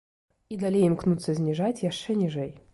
І далей імкнуцца зніжаць яшчэ ніжэй.